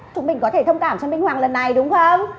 chúng mình có thể thông cảm cho minh hoàng lần này đúng không